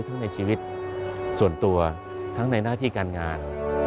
ในชีวิตส่วนตัวทั้งในหน้าที่การงาน